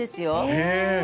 へえ。